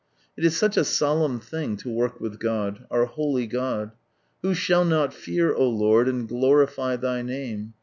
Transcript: It is such a solemn thing lo work with God — our holy God. Who shall not fear, O Lord, and glorify Thy Name